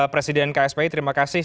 presiden kspi terima kasih